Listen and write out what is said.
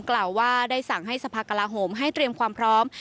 กล่าวว่าได้สั่งให้สภากลาโหมให้เตรียมความพร้อม